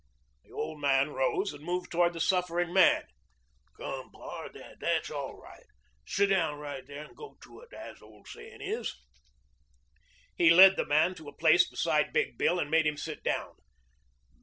The old man rose and moved toward the suffering man. "Come, pard. Tha' 's all right. Sit down right here and go to it, as the old sayin' is." He led the man to a place beside Big Bill and made him sit down.